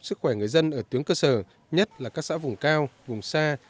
sức khỏe người dân ở tuyến cơ sở nhất là các xã vùng cao vùng xa